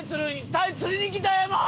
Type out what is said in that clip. タイ釣りに来たんやもん！